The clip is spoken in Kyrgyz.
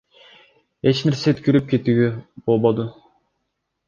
Эч нерсе өткөрүп кетүүгө болбоду.